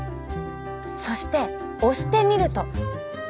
そして押してみると。